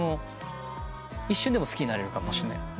一瞬でも好きになれるかもしれない。